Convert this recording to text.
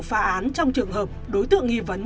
phá án trong trường hợp đối tượng nghi vấn